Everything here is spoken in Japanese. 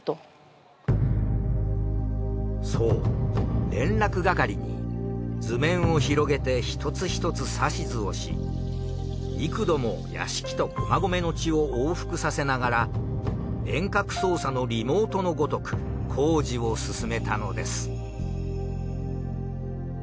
そう連絡係に図面を広げて一つ一つ指図をし幾度も屋敷と駒込の地を往復させながら遠隔操作のリモートのごとく工事を進めたのです。